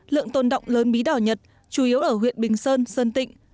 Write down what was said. lượng tồn động lớn bí đỏ nhật chủ yếu ở huyện bình sơn sơn tịnh